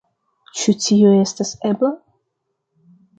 Ĉu tio estas ebla?